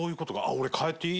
俺、変えていい？